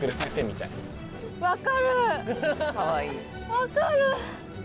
分かる！